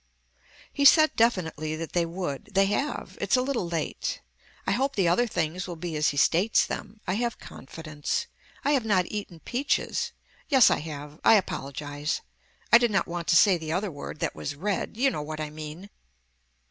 He said definitely that they would. They have. It's a little late. I hope the other things will be as he states them. I have confidence. I have not eaten peaches. Yes I have. I apologize. I did not want to say the other word that was red. You know what I mean.